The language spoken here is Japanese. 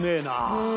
うん。